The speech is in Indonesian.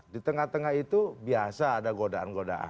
di tengah tengah itu biasa ada godaan godaan